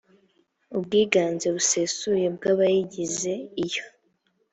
ubwiganze busesuye bw abayigize iyo